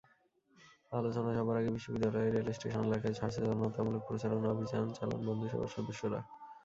আলোচনা সভার আগে বিশ্ববিদ্যালয়ের রেলস্টেশন এলাকায় সচেতনতামূলক প্রচারণা অভিযান চালান বন্ধুসভার সদস্যরা।